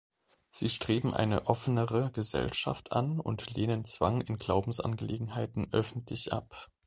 Sie streben eine offenere Gesellschaft an und lehnen Zwang in Glaubensangelegenheiten öffentlich ab.